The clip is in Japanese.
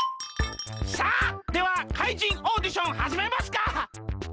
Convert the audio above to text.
さあでは怪人オーディションはじめますか！